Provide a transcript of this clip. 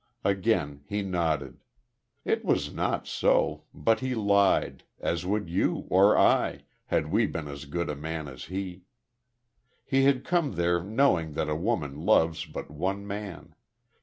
Again he nodded. It was not so. But he lied; as would you, or I, had we been as good a man as he. He had come there knowing that a woman loves but one man.